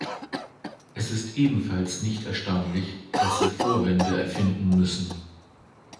Es ist ebenfalls nicht erstaunlich, dass sie Vorwände erfinden müssen.